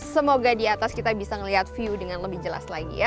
semoga di atas kita bisa melihat view dengan lebih jelas lagi ya